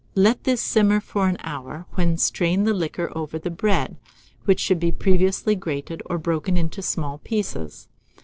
Let this simmer for an hour, when strain the liquor over the bread, which should be previously grated or broken into small pieces.